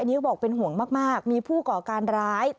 นี่เขาบอกเป็นห่วงมากมีผู้ก่อการร้าย